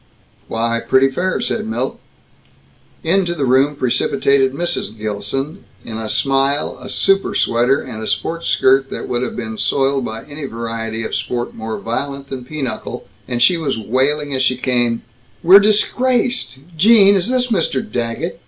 "Why, pretty fair," said Milt. Into the room precipitated Mrs. Gilson, in a smile, a super sweater, and a sports skirt that would have been soiled by any variety of sport more violent than pinochle, and she was wailing as she came: "We're disgraced, Gene, is this Mr. Daggett?